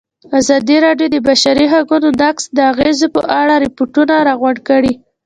ازادي راډیو د د بشري حقونو نقض د اغېزو په اړه ریپوټونه راغونډ کړي.